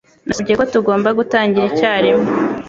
Nasabye ko tugomba gutangira icyarimwe.